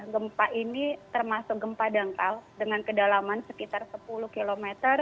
gempa ini termasuk gempa dangkal dengan kedalaman sekitar sepuluh km